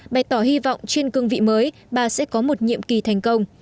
bày tỏ hy vọng trên cương vị mới bà sẽ có một nhiệm kỳ thành công